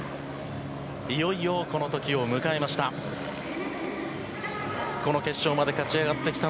いよいよこのときを迎えました。